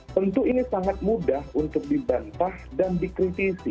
tentu ini sangat mudah untuk dibantah dan dikritisi